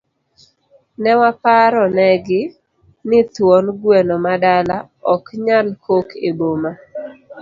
Ne waparo negi, ni thuon gweno ma dala, ok nyal kok e boma.